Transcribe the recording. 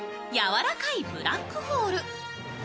やわらかいブラックホール。